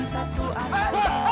iotah rain god